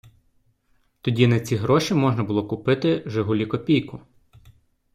Тоді на ці гроші можна було купити "Жигулі - Копійку".